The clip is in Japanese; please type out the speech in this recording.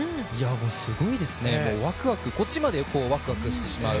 すごいですね、こっちまでワクワクしてしまう。